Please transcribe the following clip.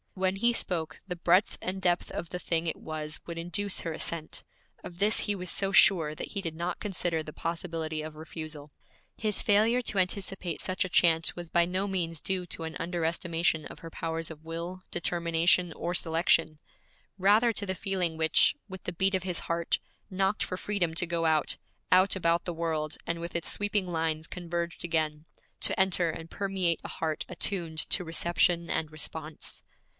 When he spoke, the breadth and depth of the thing it was would induce her assent. Of this he was so sure that he did not consider the possibility of refusal. His failure to anticipate such a chance was by no means due to an under estimation of her powers of will, determination, or selection; rather to the feeling which, with the beat of his heart, knocked for freedom to go out, out, about the world, and with its sweeping lines converged again, to enter and permeate a heart attuned to reception and response.